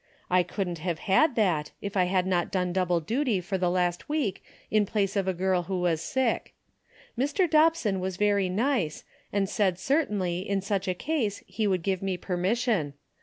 I couldn't have had that, if I had not done double duty for the last week in place of a girl who was sick. Mr. Dobson was very nice and said certainly in such a case he would give me permission.